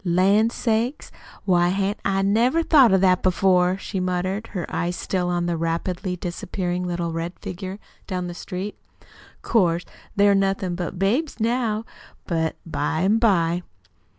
"Lan' sakes, why hain't I never thought of that before?" she muttered, her eyes still on the rapidly disappearing little red figure down the street. "Oh, 'course they're nothin' but babies now, but by an' by